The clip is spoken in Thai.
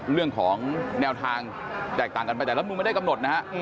เรื่องของแนวทางแตกต่างกันไปแต่รัฐมนุนไม่ได้กำหนดนะฮะ